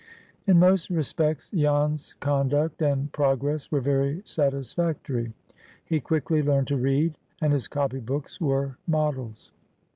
IN most respects, Jan's conduct and progress were very satisfactory. He quickly learned to read, and his copy books were models.